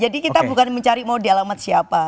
jadi kita bukan mencari mau dialamat siapa